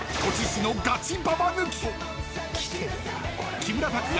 ［木村拓哉